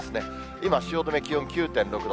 今、汐留、気温９．６度。